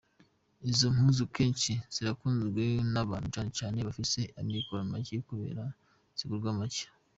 Izo mpuzu kenshi zirakunzwe n’abantu cane cane bafise amikoro make kubera zigurwa make.